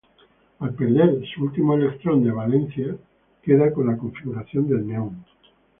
Al perder su último electrón de valencia, queda con la configuración del Neón.